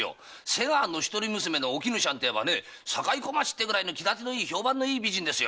瀬川の一人娘の“おきぬちゃん”ていえば“堺小町”ってくらいの気立てのいい評判の美人ですよ！